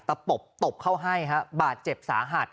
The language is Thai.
ปบตบเขาให้ฮะบาดเจ็บสาหัส